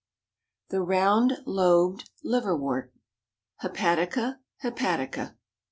THE ROUND LOBED LIVERWORT. (_Hepatica hepatica.